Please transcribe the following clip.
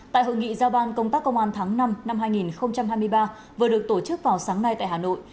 tại hội nghị giao ban công tác công an tháng năm năm hai nghìn hai mươi ba vừa được tổ chức vào sáng nay tại hà nội